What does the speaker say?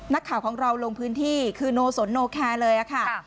นักข่าวของเราลงพื้นที่คือโนสนโนแคร์เลยค่ะ